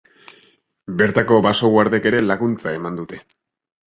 Bertako baso-guardek ere laguntza eman dute.